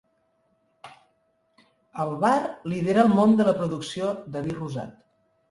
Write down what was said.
El Var lidera el món de la producció de vi rosat.